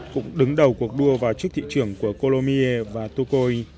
cũng đứng đầu cuộc đua vào trước thị trưởng của colomiers và tocoy